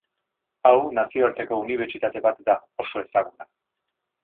Hau, nazioarteko unibertsitate bat da, oso ezaguna.